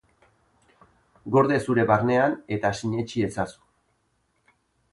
Gorde zure barnean eta sinetsi ezazu.